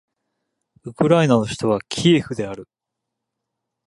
ウクライナの首都はキエフである